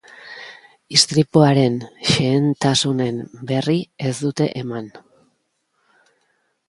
Istripuaren xehentasunen berri ez dute eman.